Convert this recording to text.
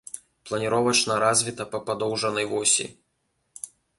Планіровачна развіта па падоўжнай восі.